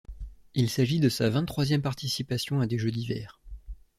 Il s'agit de sa vingt-troisième participation à des Jeux d'hiver.